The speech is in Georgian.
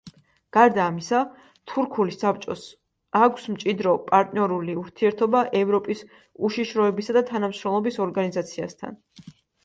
გარდა ამისა, თურქული საბჭოს აქვს მჭიდრო პარტნიორული ურთიერთობა ევროპის უშიშროებისა და თანამშრომლობის ორგანიზაციასთან.